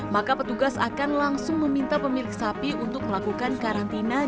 maka petugas akan langsung meminta pemilik sapi untuk melakukan karantina